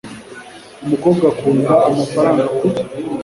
umukobwa akunda amafaranga kubi